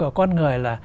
ở con người là